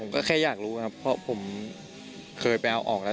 ก็แค่อยากรู้ครับเพราะผมเคยไปเอาออกแล้ว